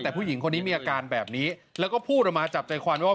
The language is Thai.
แต่ผู้หญิงคนนี้มีอาการแบบนี้แล้วก็พูดออกมาจับใจความว่า